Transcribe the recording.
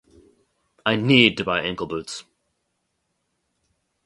I need to buy ankle boots.